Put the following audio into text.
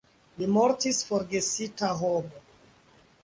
Li mortis forgesita homo.